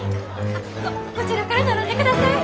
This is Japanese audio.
こちらから並んでください。